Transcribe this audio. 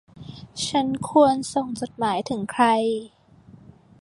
ฉันควรส่งจดหมายถึงใคร